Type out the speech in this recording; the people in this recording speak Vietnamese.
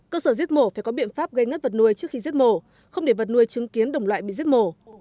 cơ sở giết mổ phải có biện pháp gây ngất vật nuôi trước khi giết mổ không để vật nuôi chứng kiến đồng loại bị giết mổ